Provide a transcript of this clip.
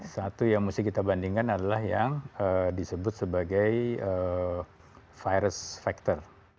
satu yang mesti kita bandingkan adalah yang disebut sebagai virus factor